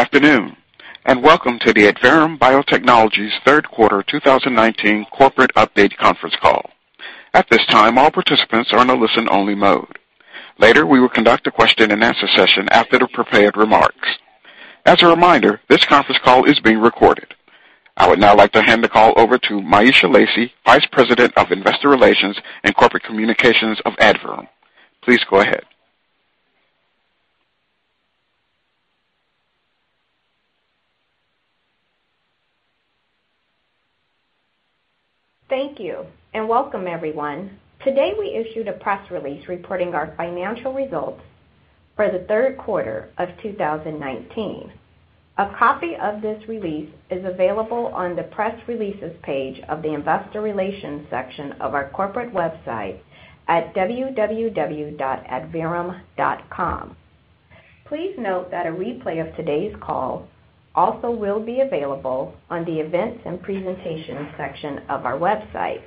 Good afternoon. Welcome to the Adverum Biotechnologies third quarter 2019 corporate update conference call. At this time, all participants are in a listen-only mode. Later, we will conduct a question and answer session after the prepared remarks. As a reminder, this conference call is being recorded. I would now like to hand the call over to Myesha Lacy, Vice President of Investor Relations and Corporate Communications of Adverum. Please go ahead. Thank you, and welcome everyone. Today we issued a press release reporting our financial results for the third quarter of 2019. A copy of this release is available on the Press Releases page of the Investor Relations section of our corporate website at www.adverum.com. Please note that a replay of today's call also will be available on the Events and Presentation section of our website.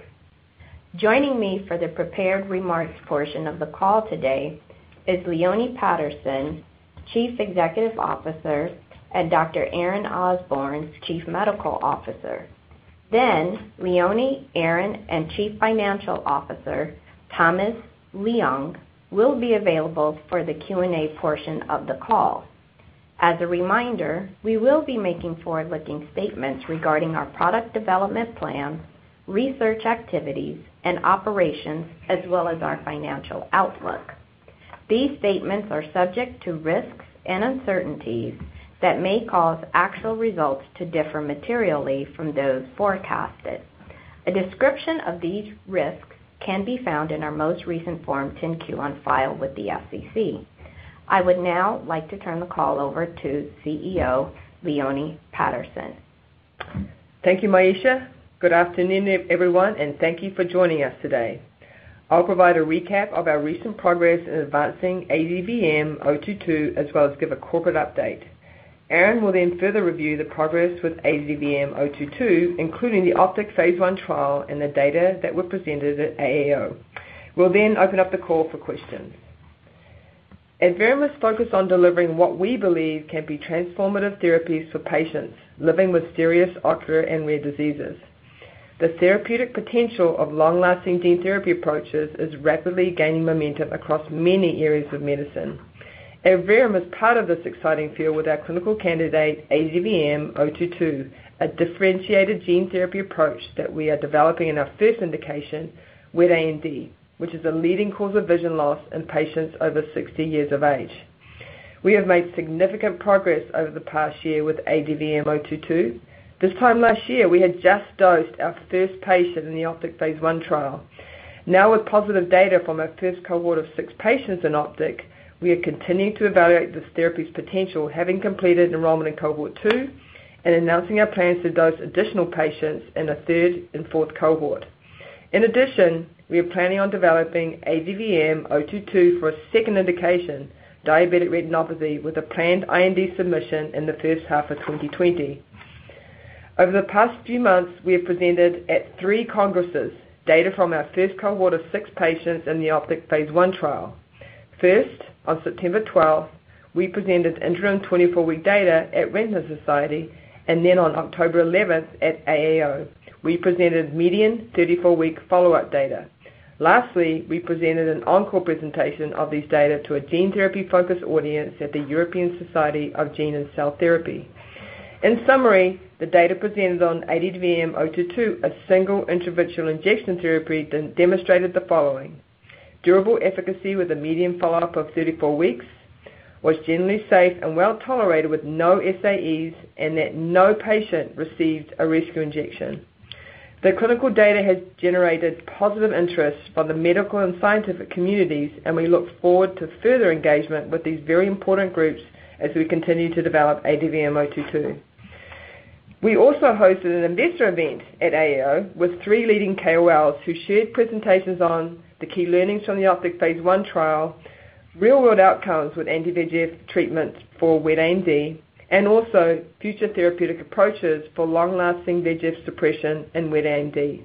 Joining me for the prepared remarks portion of the call today is Leone Patterson, Chief Executive Officer, and Dr. Aaron Osborne, Chief Medical Officer. Leone, Aaron, and Chief Financial Officer Thomas Leung will be available for the Q&A portion of the call. As a reminder, we will be making forward-looking statements regarding our product development plan, research activities and operations, as well as our financial outlook. These statements are subject to risks and uncertainties that may cause actual results to differ materially from those forecasted. A description of these risks can be found in our most recent Form 10-Q on file with the SEC. I would now like to turn the call over to CEO Leone Patterson. Thank you, Myesha. Good afternoon, everyone, and thank you for joining us today. I'll provide a recap of our recent progress in advancing ADVM-022, as well as give a corporate update. Aaron will then further review the progress with ADVM-022, including the OPTIC Phase I trial and the data that were presented at AAO. We'll open up the call for questions. Adverum is focused on delivering what we believe can be transformative therapies for patients living with serious ocular and rare diseases. The therapeutic potential of long-lasting gene therapy approaches is rapidly gaining momentum across many areas of medicine. Adverum is part of this exciting field with our clinical candidate, ADVM-022, a differentiated gene therapy approach that we are developing in our first indication, wet AMD, which is a leading cause of vision loss in patients over 60 years of age. We have made significant progress over the past year with ADVM-022. This time last year, we had just dosed our first patient in the OPTIC phase I trial. Now with positive data from our first cohort of six patients in OPTIC, we are continuing to evaluate this therapy's potential, having completed enrollment in cohort 2 and announcing our plans to dose additional patients in a third and fourth cohort. In addition, we are planning on developing ADVM-022 for a second indication, diabetic retinopathy, with a planned IND submission in the first half of 2020. Over the past few months, we have presented at three congresses data from our first cohort of six patients in the OPTIC phase I trial. First, on September 12th, we presented interim 24-week data at Retina Society, and then on October 11th at AAO, we presented median 34-week follow-up data. Lastly, we presented an encore presentation of these data to a gene therapy-focused audience at the European Society of Gene and Cell Therapy. In summary, the data presented on ADVM-022, a single intravitreal injection therapy, demonstrated the following: durable efficacy with a median follow-up of 34 weeks, was generally safe and well-tolerated with no SAEs, and that no patient received a rescue injection. The clinical data has generated positive interest by the medical and scientific communities, and we look forward to further engagement with these very important groups as we continue to develop ADVM-022. We also hosted an investor event at AAO with three leading KOLs who shared presentations on the key learnings from the OPTIC phase I trial, real-world outcomes with anti-VEGF treatments for wet AMD, and also future therapeutic approaches for long-lasting VEGF suppression in wet AMD.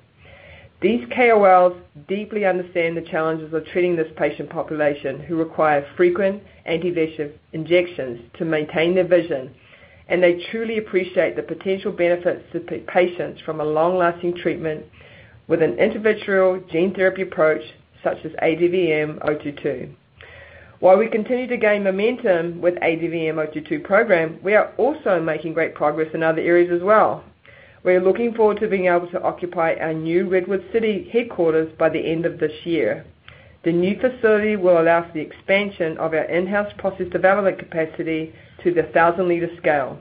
These KOLs deeply understand the challenges of treating this patient population who require frequent anti-VEGF injections to maintain their vision, and they truly appreciate the potential benefits to patients from a long-lasting treatment with an intravitreal gene therapy approach such as ADVM-022. While we continue to gain momentum with ADVM-022 program, we are also making great progress in other areas as well. We are looking forward to being able to occupy our new Redwood City headquarters by the end of this year. The new facility will allow for the expansion of our in-house process development capacity to the 1,000-liter scale,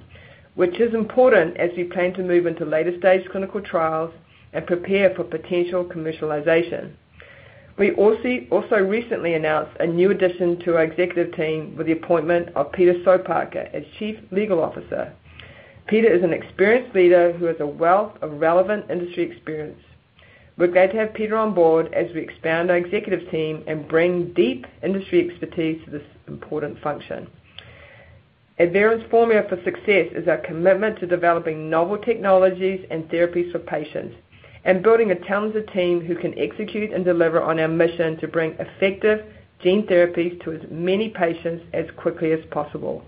which is important as we plan to move into later-stage clinical trials and prepare for potential commercialization. We also recently announced a new addition to our executive team with the appointment of Peter Soparkar as Chief Legal Officer. Peter is an experienced leader who has a wealth of relevant industry experience. We're glad to have Peter on board as we expand our executive team and bring deep industry expertise to this important function. Adverum's formula for success is our commitment to developing novel technologies and therapies for patients. Building a talented team who can execute and deliver on our mission to bring effective gene therapies to as many patients as quickly as possible.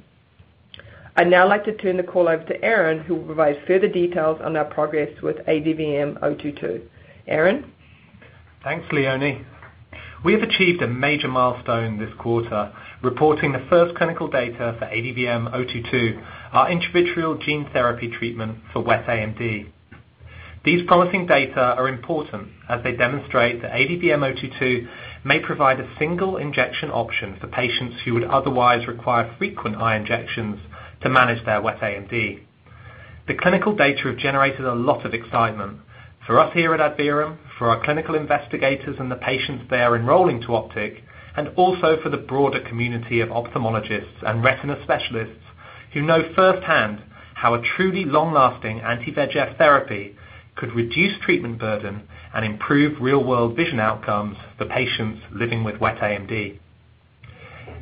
I'd now like to turn the call over to Aaron, who will provide further details on our progress with ADVM-022. Aaron? Thanks, Leone. We have achieved a major milestone this quarter, reporting the first clinical data for ADVM-022, our intravitreal gene therapy treatment for wet AMD. These promising data are important as they demonstrate that ADVM-022 may provide a single injection option for patients who would otherwise require frequent eye injections to manage their wet AMD. The clinical data have generated a lot of excitement for us here at Adverum, for our clinical investigators and the patients they are enrolling to OPTIC, and also for the broader community of ophthalmologists and retina specialists who know firsthand how a truly long-lasting anti-VEGF therapy could reduce treatment burden and improve real-world vision outcomes for patients living with wet AMD.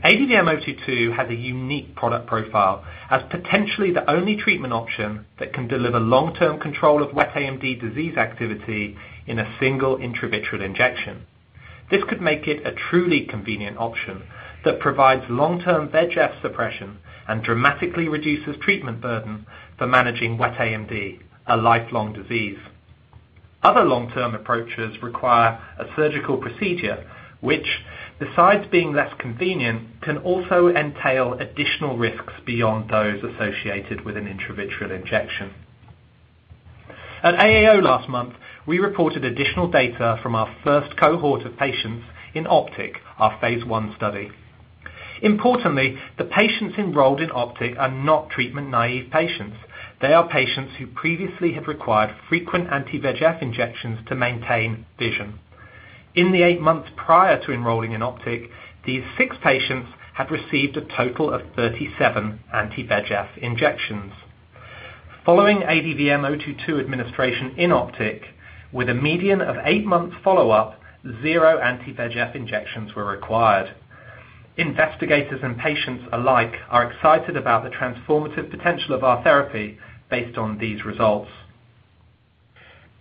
ADVM-022 has a unique product profile as potentially the only treatment option that can deliver long-term control of wet AMD disease activity in a single intravitreal injection. This could make it a truly convenient option that provides long-term VEGF suppression and dramatically reduces treatment burden for managing wet AMD, a lifelong disease. Other long-term approaches require a surgical procedure, which besides being less convenient, can also entail additional risks beyond those associated with an intravitreal injection. At AAO last month, we reported additional data from our first cohort of patients in OPTIC, our phase I study. Importantly, the patients enrolled in OPTIC are not treatment-naive patients. They are patients who previously have required frequent anti-VEGF injections to maintain vision. In the eight months prior to enrolling in OPTIC, these six patients had received a total of 37 anti-VEGF injections. Following ADVM-022 administration in OPTIC, with a median of eight-month follow-up, zero anti-VEGF injections were required. Investigators and patients alike are excited about the transformative potential of our therapy based on these results.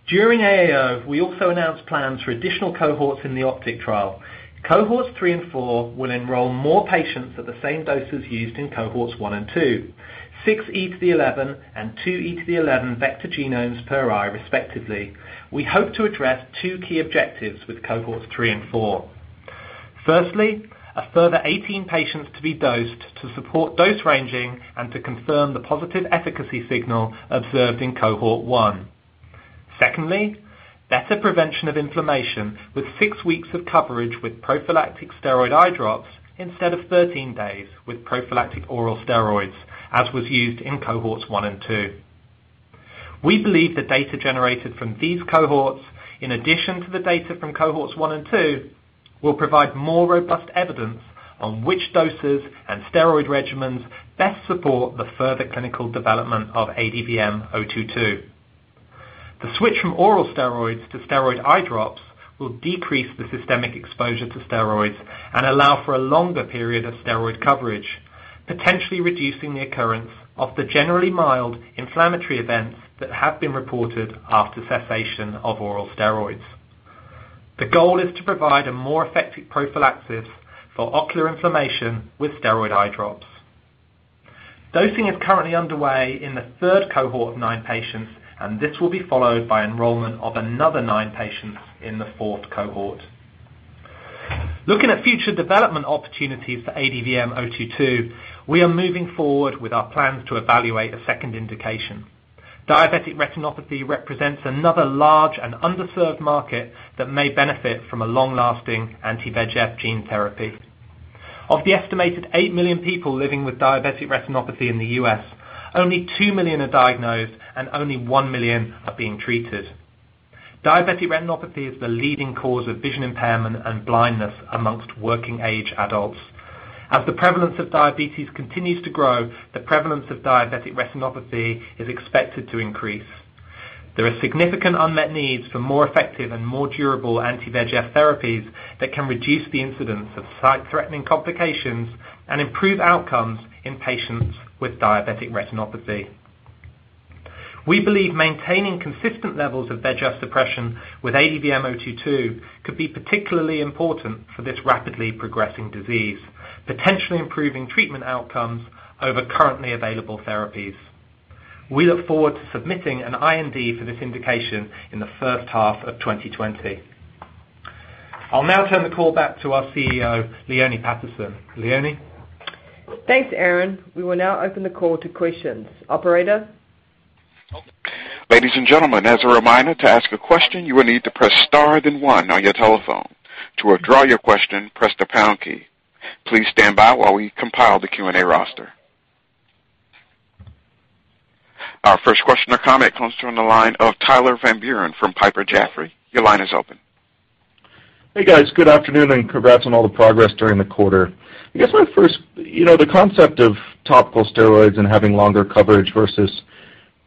During AAO, we also announced plans for additional cohorts in the OPTIC trial. Cohorts 3 and 4 will enroll more patients at the same doses used in cohorts 1 and 2, 6E11 and 2E11 vector genomes per eye respectively. We hope to address 2 key objectives with cohorts 3 and 4. Firstly, a further 18 patients to be dosed to support dose ranging and to confirm the positive efficacy signal observed in cohort 1. Secondly, better prevention of inflammation with six weeks of coverage with prophylactic steroid eye drops instead of 13 days with prophylactic oral steroids, as was used in cohorts 1 and 2. We believe the data generated from these cohorts, in addition to the data from cohorts 1 and 2, will provide more robust evidence on which doses and steroid regimens best support the further clinical development of ADVM-022. The switch from oral steroids to steroid eye drops will decrease the systemic exposure to steroids and allow for a longer period of steroid coverage, potentially reducing the occurrence of the generally mild inflammatory events that have been reported after cessation of oral steroids. The goal is to provide a more effective prophylaxis for ocular inflammation with steroid eye drops. Dosing is currently underway in the cohort 3 of nine patients, and this will be followed by enrollment of another nine patients in the cohort 4. Looking at future development opportunities for ADVM-022, we are moving forward with our plans to evaluate a second indication. Diabetic retinopathy represents another large and underserved market that may benefit from a long-lasting anti-VEGF gene therapy. Of the estimated eight million people living with diabetic retinopathy in the U.S., only two million are diagnosed, and only one million are being treated. Diabetic retinopathy is the leading cause of vision impairment and blindness amongst working-age adults. As the prevalence of diabetes continues to grow, the prevalence of diabetic retinopathy is expected to increase. There are significant unmet needs for more effective and more durable anti-VEGF therapies that can reduce the incidence of sight-threatening complications and improve outcomes in patients with diabetic retinopathy. We believe maintaining consistent levels of VEGF suppression with ADVM-022 could be particularly important for this rapidly progressing disease, potentially improving treatment outcomes over currently available therapies. We look forward to submitting an IND for this indication in the first half of 2020. I'll now turn the call back to our CEO, Leone Patterson. Leone? Thanks, Aaron. We will now open the call to questions. Operator? Ladies and gentlemen, as a reminder, to ask a question, you will need to press star then one on your telephone. To withdraw your question, press the pound key. Please stand by while we compile the Q&A roster. Our first question or comment comes from the line of Tyler Van Buren from Piper Jaffray. Your line is open. Hey, guys. Good afternoon. Congrats on all the progress during the quarter. The concept of topical steroids and having longer coverage versus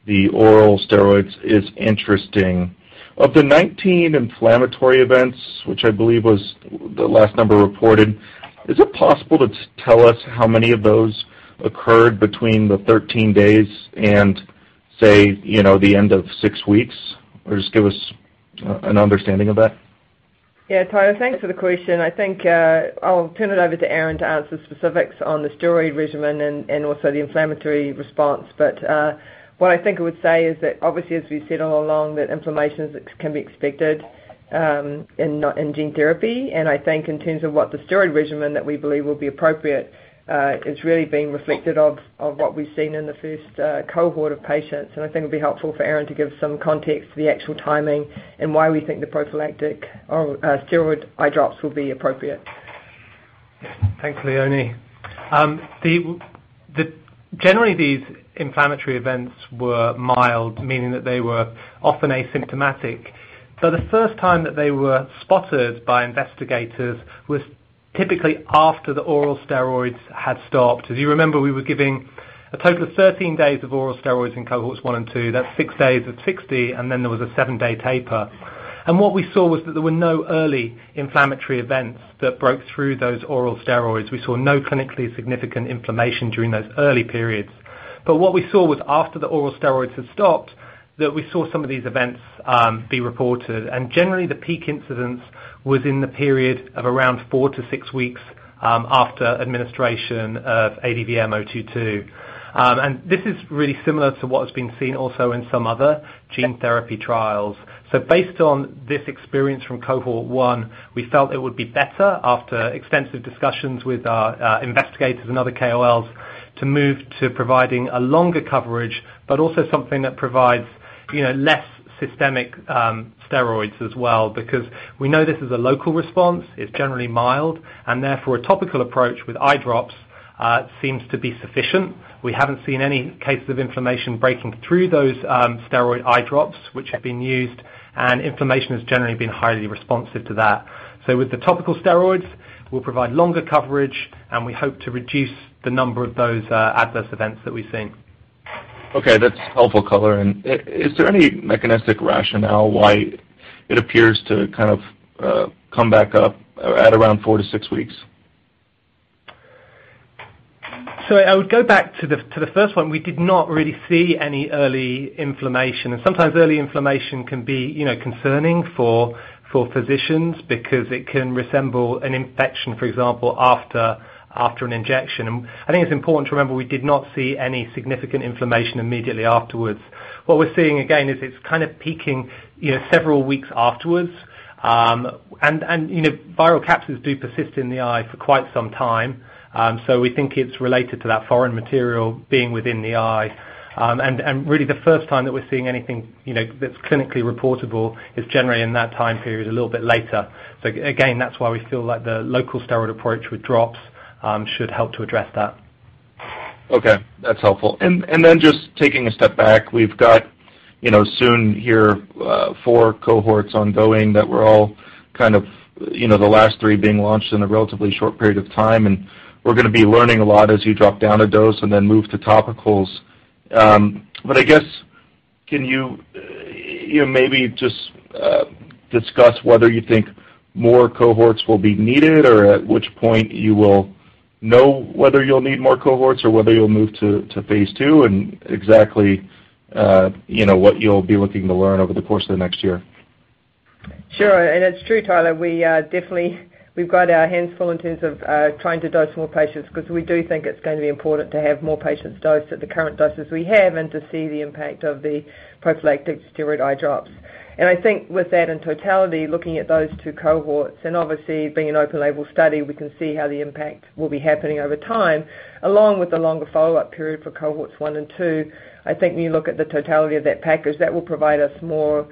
the oral steroids is interesting. Of the 19 inflammatory events, which I believe was the last number reported, is it possible to tell us how many of those occurred between the 13 days and, say, the end of six weeks? Just give us an understanding of that. Yeah, Tyler, thanks for the question. I think I'll turn it over to Aaron to answer the specifics on the steroid regimen and also the inflammatory response. What I think I would say is that, obviously, as we've said all along, that inflammations can be expected in gene therapy. I think in terms of what the steroid regimen that we believe will be appropriate, it's really been reflected of what we've seen in the first cohort of patients. I think it'll be helpful for Aaron to give some context to the actual timing and why we think the prophylactic oral steroid eye drops will be appropriate. Thanks, Leone. Generally, these inflammatory events were mild, meaning that they were often asymptomatic. The first time that they were spotted by investigators was typically after the oral steroids had stopped. As you remember, we were giving a total of 13 days of oral steroids in cohorts 1 and 2. That's six days of 60, then there was a seven-day taper. What we saw was that there were no early inflammatory events that broke through those oral steroids. We saw no clinically significant inflammation during those early periods. What we saw was after the oral steroids had stopped, that we saw some of these events be reported. Generally, the peak incidence was in the period of around four to six weeks, after administration of ADVM-022. This is really similar to what has been seen also in some other gene therapy trials. Based on this experience from cohort 1, we felt it would be better after extensive discussions with our investigators and other KOLs to move to providing a longer coverage, but also something that provides less systemic steroids as well. We know this is a local response, it's generally mild, and therefore, a topical approach with eye drops seems to be sufficient. We haven't seen any cases of inflammation breaking through those steroid eye drops which have been used, and inflammation has generally been highly responsive to that. With the topical steroids, we'll provide longer coverage, and we hope to reduce the number of those adverse events that we've seen. Okay, that's helpful color. Is there any mechanistic rationale why it appears to come back up at around four to six weeks? I would go back to the first one. We did not really see any early inflammation. Sometimes early inflammation can be concerning for physicians because it can resemble an infection, for example, after an injection. I think it's important to remember we did not see any significant inflammation immediately afterwards. What we're seeing again is it's peaking several weeks afterwards. Viral capsids do persist in the eye for quite some time. We think it's related to that foreign material being within the eye. Really the first time that we're seeing anything that's clinically reportable is generally in that time period a little bit later. Again, that's why we feel like the local steroid approach with drops should help to address that. Okay, that's helpful. Just taking a step back, we've got soon here, four cohorts ongoing that were all, the last three being launched in a relatively short period of time, and we're going to be learning a lot as you drop down a dose and then move to topicals. I guess, can you maybe just discuss whether you think more cohorts will be needed or at which point you will know whether you'll need more cohorts or whether you'll move to phase II and exactly what you'll be looking to learn over the course of the next year? Sure. It's true, Tyler. We've got our hands full in terms of trying to dose more patients because we do think it's going to be important to have more patients dosed at the current doses we have and to see the impact of the prophylactic steroid eye drops. I think with that in totality, looking at those 2 cohorts, and obviously being an open label study, we can see how the impact will be happening over time, along with the longer follow-up period for cohorts 1 and 2. I think when you look at the totality of that package, that will provide us more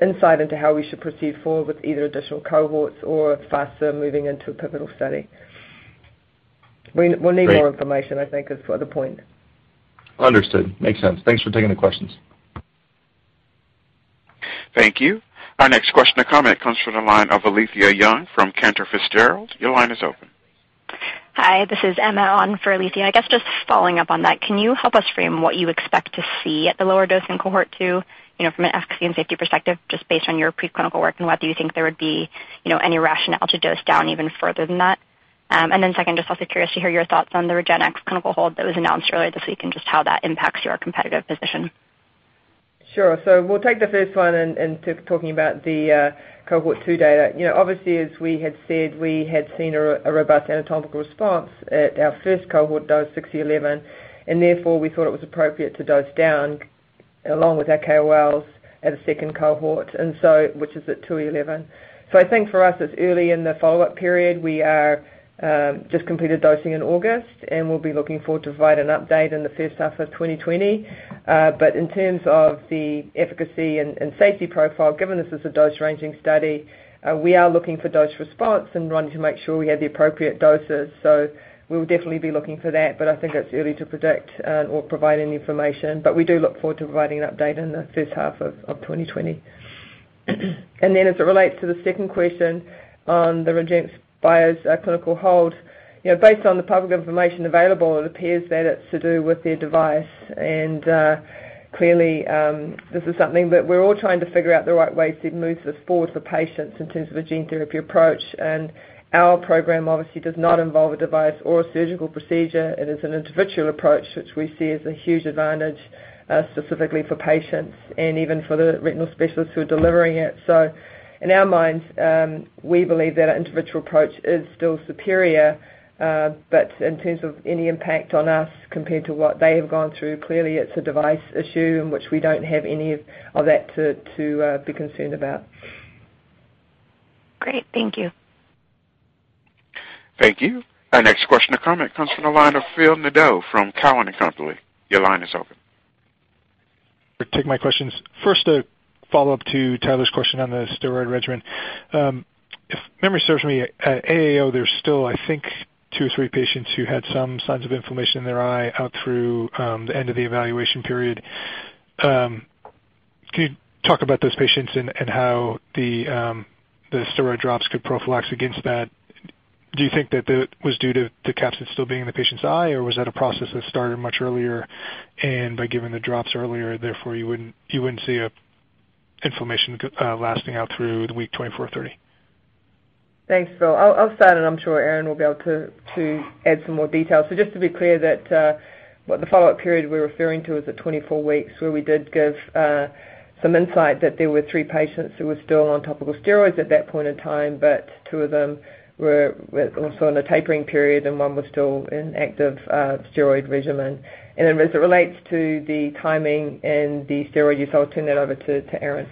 insight into how we should proceed forward with either additional cohorts or faster moving into a pivotal study. We'll need more information, I think, is for the point. Understood. Makes sense. Thanks for taking the questions. Thank you. Our next question or comment comes from the line of Alethia Young from Cantor Fitzgerald. Your line is open. Hi, this is Emma on for Alethia. I guess just following up on that, can you help us frame what you expect to see at the lower dose in cohort 2 from an efficacy and safety perspective, just based on your preclinical work? Whether you think there would be any rationale to dose down even further than that? Second, just also curious to hear your thoughts on the REGENXBIO clinical hold that was announced earlier this week and just how that impacts your competitive position. Sure. We'll take the first one in talking about the cohort 2 data. Obviously, as we had said, we had seen a robust anatomical response at our first cohort dose 6E11, and therefore we thought it was appropriate to dose down along with our KOLs at a second cohort, which is at 2e11. I think for us, it's early in the follow-up period. We just completed dosing in August, and we'll be looking forward to provide an update in the first half of 2020. In terms of the efficacy and safety profile, given this is a dose-ranging study, we are looking for dose response and wanting to make sure we have the appropriate doses. We'll definitely be looking for that, but I think it's early to predict or provide any information. We do look forward to providing an update in the first half of 2020. As it relates to the second question on the REGENXBIO's clinical hold. Based on the public information available, it appears that it's to do with their device. Clearly, this is something that we're all trying to figure out the right way to move this forward for patients in terms of a gene therapy approach. Our program obviously does not involve a device or a surgical procedure. It is an intravitreal approach, which we see as a huge advantage, specifically for patients and even for the retinal specialists who are delivering it. In our minds, we believe that an intravitreal approach is still superior. In terms of any impact on us compared to what they have gone through, clearly it's a device issue in which we don't have any of that to be concerned about. Great. Thank you. Thank you. Our next question or comment comes from the line of Phil Nadeau from Cowen and Company. Your line is open. Take my questions. First, a follow-up to Tyler's question on the steroid regimen. If memory serves me, at AAO, there's still, I think, two or three patients who had some signs of inflammation in their eye out through the end of the evaluation period. Can you talk about those patients and how the steroid drops could prophylax against that? Do you think that was due to the capsid still being in the patient's eye, or was that a process that started much earlier and by giving the drops earlier, therefore, you wouldn't see inflammation lasting out through the week 24, 30? Thanks, Phil. I'll start, and I'm sure Aaron will be able to add some more detail. Just to be clear that the follow-up period we were referring to was at 24 weeks where we did give some insight that there were three patients who were still on topical steroids at that point in time, but two of them were also in a tapering period, and one was still in active steroid regimen. As it relates to the timing and the steroid use, I'll turn that over to Aaron.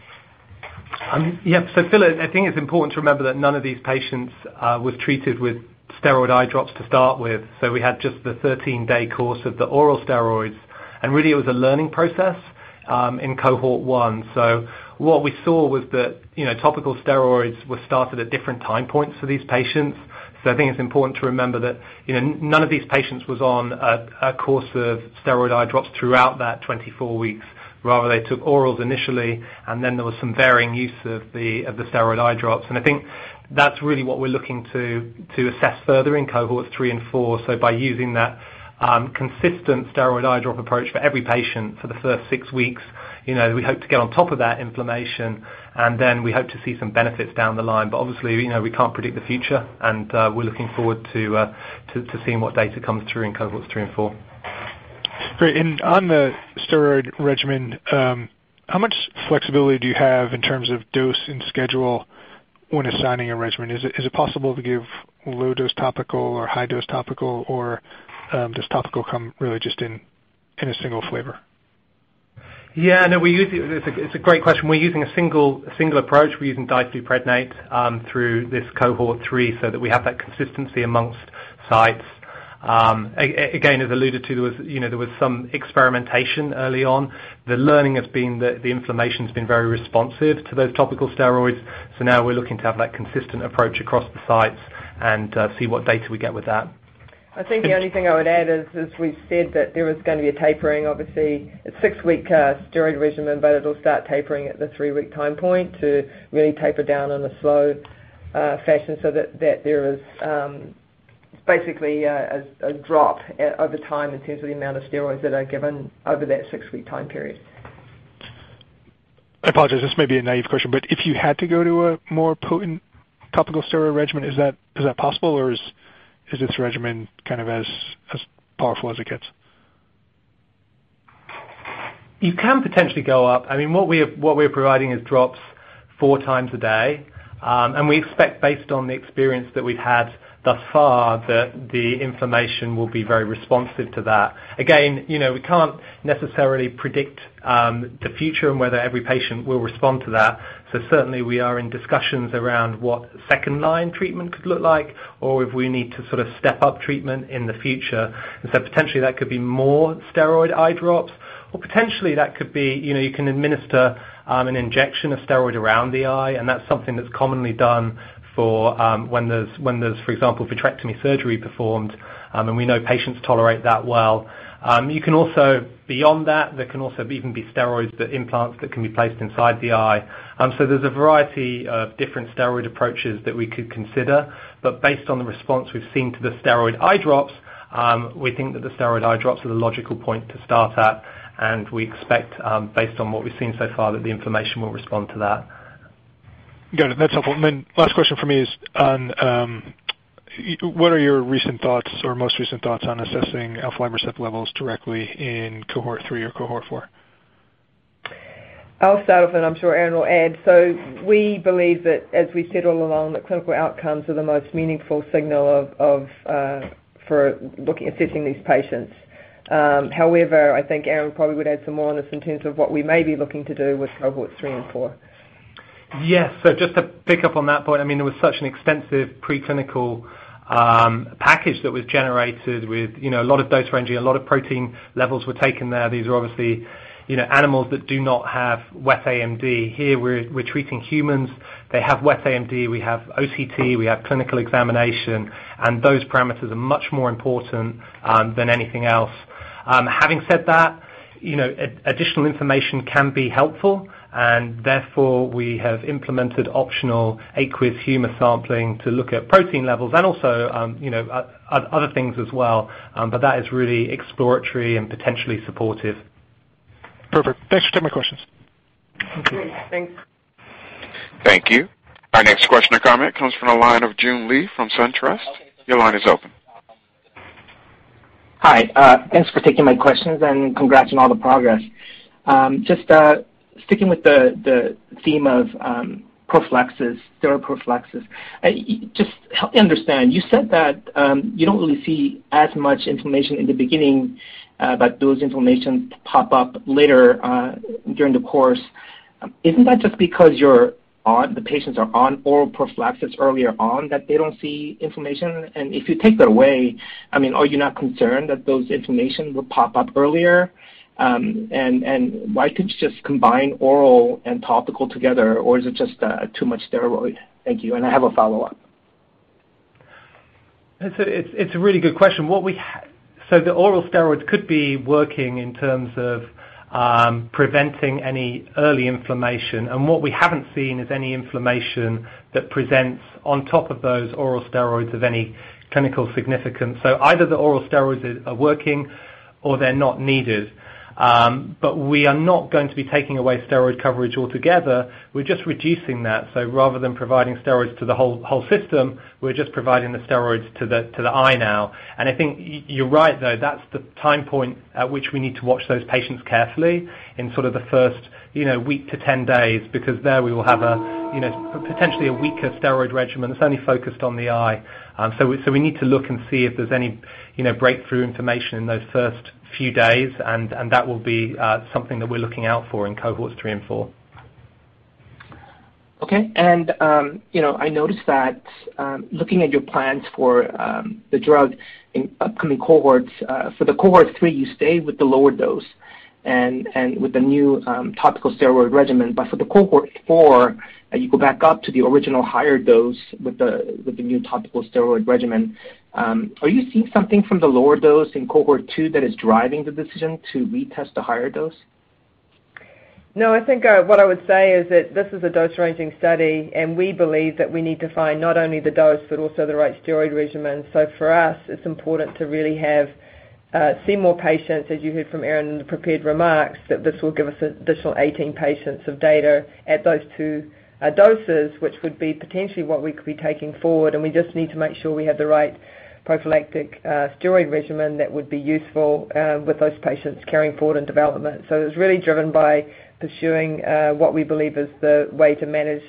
Phil, I think it's important to remember that none of these patients was treated with steroid eye drops to start with. We had just the 13-day course of the oral steroids, and really, it was a learning process in cohort 1. What we saw was that topical steroids were started at different time points for these patients. I think it's important to remember that none of these patients was on a course of steroid eye drops throughout that 24 weeks. Rather, they took orals initially, and then there was some varying use of the steroid eye drops. I think that's really what we're looking to assess further in cohorts 3 and 4. By using that consistent steroid eye drop approach for every patient for the first six weeks, we hope to get on top of that inflammation, and then we hope to see some benefits down the line. Obviously, we can't predict the future, and we're looking forward to seeing what data comes through in cohorts three and four. Great. On the steroid regimen, how much flexibility do you have in terms of dose and schedule when assigning a regimen? Is it possible to give low-dose topical or high-dose topical, or does topical come really just in a single flavor? Yeah. It's a great question. We're using a single approach. We're using difluprednate through this cohort 3 so that we have that consistency amongst sites. Again, as alluded to, there was some experimentation early on. The learning has been that the inflammation's been very responsive to those topical steroids. Now we're looking to have that consistent approach across the sites and see what data we get with that. I think the only thing I would add is, as we've said, that there is going to be a tapering, obviously, a six-week steroid regimen. It'll start tapering at the three-week time point to really taper down in a slow fashion so that there is basically a drop over time in terms of the amount of steroids that are given over that six-week time period. I apologize, this may be a naïve question, but if you had to go to a more potent topical steroid regimen, is that possible, or is this regimen kind of as powerful as it gets? You can potentially go up. What we're providing is drops four times a day. We expect based on the experience that we've had thus far that the inflammation will be very responsive to that. Certainly, we are in discussions around what second-line treatment could look like or if we need to sort of step up treatment in the future. Potentially that could be more steroid eye drops, or potentially that could be, you can administer an injection of steroid around the eye, and that's something that's commonly done for when there's, for example, vitrectomy surgery performed, and we know patients tolerate that well. Beyond that, there can also even be steroids, the implants that can be placed inside the eye. There's a variety of different steroid approaches that we could consider. Based on the response we've seen to the steroid eye drops, we think that the steroid eye drops are the logical point to start at, and we expect, based on what we've seen so far, that the inflammation will respond to that. Got it. That's helpful. Last question for me is, what are your recent thoughts or most recent thoughts on assessing [alpha recept] levels directly in cohort 3 or cohort 4? I'll start off, and I'm sure Aaron will add. We believe that, as we said all along, that clinical outcomes are the most meaningful signal for assessing these patients. However, I think Aaron probably would add some more on this in terms of what we may be looking to do with cohorts 3 and 4. Yeah. Just to pick up on that point, there was such an extensive preclinical package that was generated with a lot of dose ranging. A lot of protein levels were taken there. These are obviously animals that do not have wet AMD. Here, we're treating humans. They have wet AMD. We have OCT, we have clinical examination, and those parameters are much more important than anything else. Having said that, additional information can be helpful, and therefore, we have implemented optional aqueous humor sampling to look at protein levels and also other things as well. That is really exploratory and potentially supportive. Perfect. Thanks for taking my questions. Great. Thanks. Thank you. Our next question or comment comes from the line of Joon Lee from SunTrust. Your line is open. Hi. Thanks for taking my questions, and congrats on all the progress. Sticking with the theme of prophylaxis, steroid prophylaxis, help me understand. You said that you don't really see as much inflammation in the beginning, but those inflammations pop up later during the course. Isn't that just because the patients are on oral prophylaxis earlier on that they don't see inflammation? If you take that away, are you not concerned that those inflammations will pop up earlier? Why couldn't you just combine oral and topical together, or is it just too much steroid? Thank you. I have a follow-up. It's a really good question. The oral steroids could be working in terms of preventing any early inflammation. What we haven't seen is any inflammation that presents on top of those oral steroids of any clinical significance. Either the oral steroids are working or they're not needed. We are not going to be taking away steroid coverage altogether. We're just reducing that. Rather than providing steroids to the whole system, we're just providing the steroids to the eye now. I think you're right, though. That's the time point at which we need to watch those patients carefully in sort of the first week to 10 days, because there we will have potentially a weaker steroid regimen that's only focused on the eye. We need to look and see if there's any breakthrough inflammation in those first few days, and that will be something that we're looking out for in cohorts three and four. Okay. I noticed that looking at your plans for the drug in upcoming cohorts, for the cohort 3, you stay with the lower dose and with the new topical steroid regimen. For the cohort 4, you go back up to the original higher dose with the new topical steroid regimen. Are you seeing something from the lower dose in cohort 2 that is driving the decision to retest the higher dose? I think what I would say is that this is a dose-ranging study. We believe that we need to find not only the dose but also the right steroid regimen. For us, it's important to really see more patients, as you heard from Aaron in the prepared remarks, that this will give us an additional 18 patients of data at those two doses, which would be potentially what we could be taking forward. We just need to make sure we have the right prophylactic steroid regimen that would be useful with those patients carrying forward in development. It's really driven by pursuing what we believe is the way to manage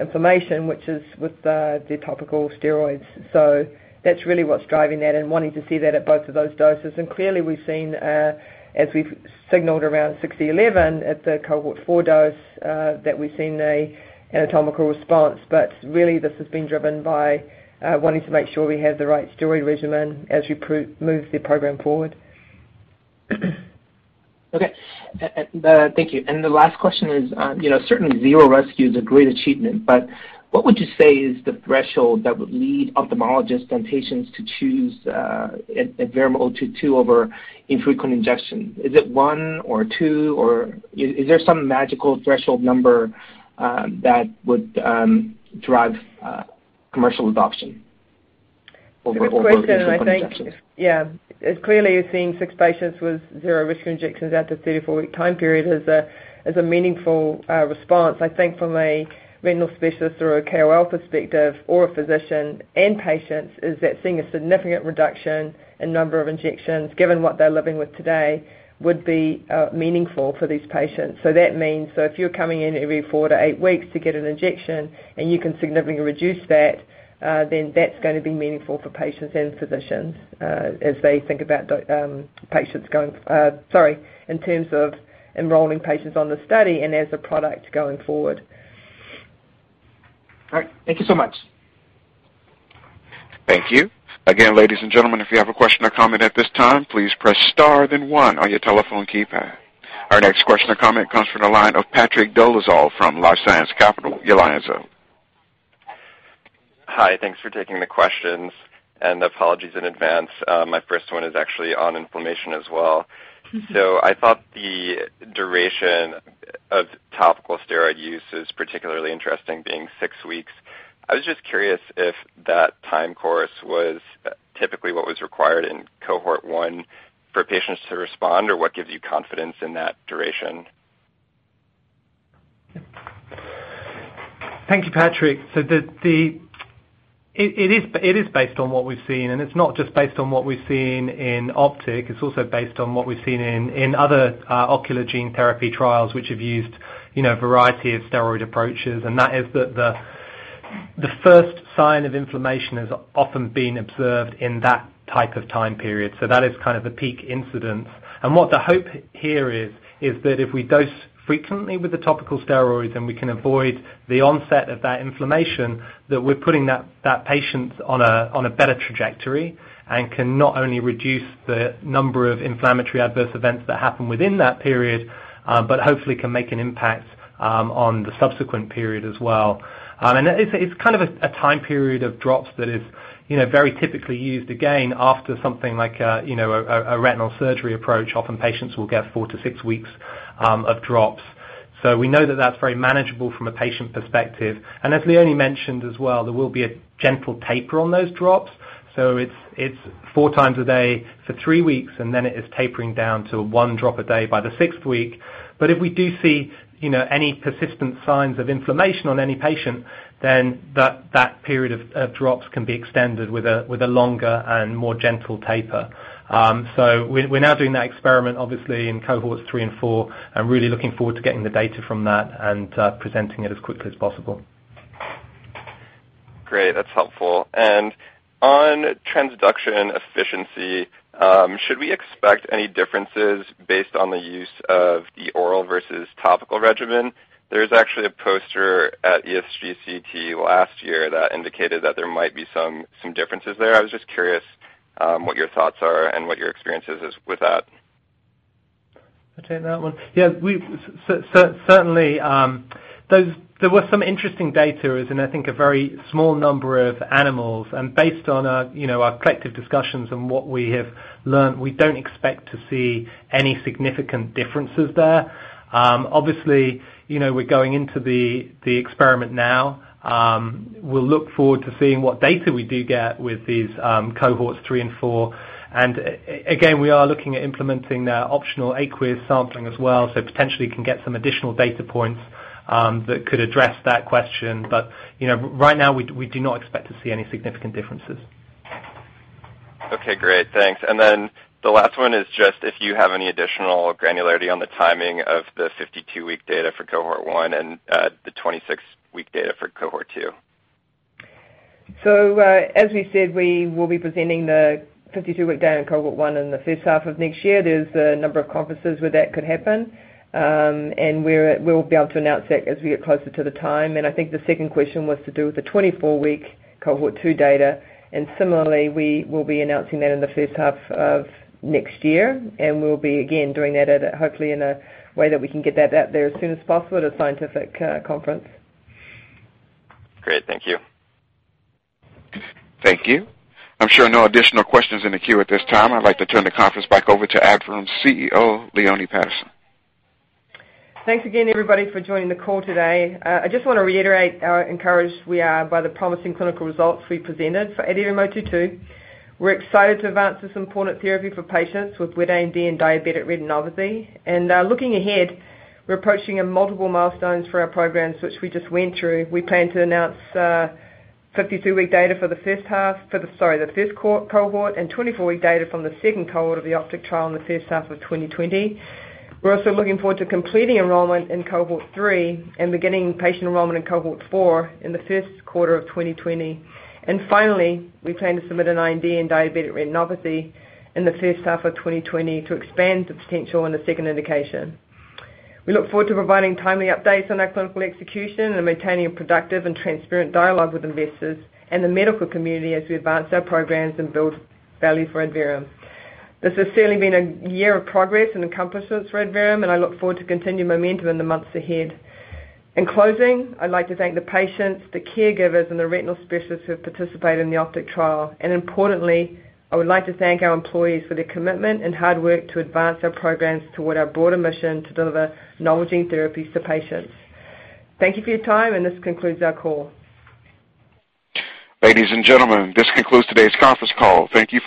inflammation, which is with the topical steroids. That's really what's driving that and wanting to see that at both of those doses. Clearly, we've seen, as we've signaled around 6E11 at the cohort 4 dose, that we've seen an anatomical response. Really, this has been driven by wanting to make sure we have the right steroid regimen as we move the program forward. Okay. Thank you. The last question is, certainly zero rescue is a great achievement, but what would you say is the threshold that would lead ophthalmologists and patients to choose ADVM-022 over infrequent injections? Is it one or two, or is there some magical threshold number that would drive commercial adoption over infrequent injections? It's a good question. I think, yeah. Clearly, you're seeing six patients with zero rescue injections out to a 34-week time period is a meaningful response. I think from a retinal specialist or a KOL perspective or a physician and patients is that seeing a significant reduction in number of injections, given what they're living with today, would be meaningful for these patients. That means if you're coming in every four to eight weeks to get an injection and you can significantly reduce that's going to be meaningful for patients and physicians as they think about patients going, sorry, in terms of enrolling patients on the study and as a product going forward. All right. Thank you so much. Thank you. Ladies and gentlemen, if you have a question or comment at this time, please press star then one on your telephone keypad. Our next question or comment comes from the line of Patrick Dolezal from LifeSci Capital. Your line is open. Hi. Thanks for taking the questions. Apologies in advance. My first one is actually on inflammation as well. I thought the duration of topical steroid use is particularly interesting, being six weeks. I was just curious if that time course was typically what was required in cohort 1 for patients to respond, or what gives you confidence in that duration? Thank you, Patrick. It is based on what we've seen, and it's not just based on what we've seen in OPTIC. It's also based on what we've seen in other ocular gene therapy trials which have used a variety of steroid approaches, and that is that the first sign of inflammation has often been observed in that type of time period. That is kind of the peak incidence. What the hope here is that if we dose frequently with the topical steroids, then we can avoid the onset of that inflammation, that we're putting that patient on a better trajectory and can not only reduce the number of inflammatory adverse events that happen within that period but hopefully can make an impact on the subsequent period as well. It's kind of a time period of drops that is very typically used, again, after something like a retinal surgery approach. Often patients will get four to six weeks of drops. We know that that's very manageable from a patient perspective. As Leonie mentioned as well, there will be a gentle taper on those drops. It's four times a day for three weeks, and then it is tapering down to one drop a day by the sixth week. If we do see any persistent signs of inflammation on any patient, then that period of drops can be extended with a longer and more gentle taper. We're now doing that experiment, obviously, in cohorts 3 and 4, and really looking forward to getting the data from that and presenting it as quickly as possible. Great. That's helpful. On transduction efficiency, should we expect any differences based on the use of the oral versus topical regimen? There's actually a poster at ESGCT last year that indicated that there might be some differences there. I was just curious what your thoughts are and what your experience is with that. I'll take that one. Yeah. Certainly, there was some interesting data within, I think, a very small number of animals. Based on our collective discussions and what we have learned, we don't expect to see any significant differences there. Obviously, we're going into the experiment now. We'll look forward to seeing what data we do get with these cohorts 3 and 4. Again, we are looking at implementing the optional aqueous sampling as well, potentially can get some additional data points that could address that question. Right now, we do not expect to see any significant differences. Okay, great. Thanks. The last one is just if you have any additional granularity on the timing of the 52-week data for cohort 1 and the 26-week data for cohort 2. As we said, we will be presenting the 52-week data in cohort 1 in the first half of next year. There's a number of conferences where that could happen. We'll be able to announce that as we get closer to the time. I think the second question was to do with the 24-week cohort 2 data. Similarly, we will be announcing that in the first half of next year, and we'll be, again, doing that hopefully in a way that we can get that out there as soon as possible at a scientific conference. Great. Thank you. Thank you. I'm showing no additional questions in the queue at this time. I'd like to turn the conference back over to Adverum's CEO, Leone Patterson. Thanks again, everybody, for joining the call today. I just want to reiterate how encouraged we are by the promising clinical results we presented for ADVM-022. We're excited to advance this important therapy for patients with wet AMD and diabetic retinopathy. Looking ahead, we're approaching multiple milestones for our programs, which we just went through. We plan to announce 52-week data for the first cohort and 24-week data from the second cohort of the OPTIC trial in the first half of 2020. We're also looking forward to completing enrollment in cohort 3 and beginning patient enrollment in cohort 4 in the first quarter of 2020. Finally, we plan to submit an IND in diabetic retinopathy in the first half of 2020 to expand the potential in the second indication. We look forward to providing timely updates on our clinical execution and maintaining a productive and transparent dialogue with investors and the medical community as we advance our programs and build value for Adverum. This has certainly been a year of progress and accomplishments for Adverum. I look forward to continued momentum in the months ahead. In closing, I'd like to thank the patients, the caregivers, and the retinal specialists who have participated in the OPTIC trial. Importantly, I would like to thank our employees for their commitment and hard work to advance our programs toward our broader mission to deliver novel gene therapies to patients. Thank you for your time. This concludes our call. Ladies and gentlemen, this concludes today's conference call. Thank you.